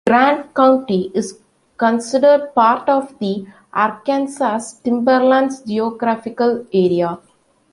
Grant County is considered part of the Arkansas Timberlands geographical area.